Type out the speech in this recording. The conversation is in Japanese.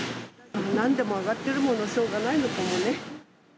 なんでも上がってるもの、しょうがないのかもね。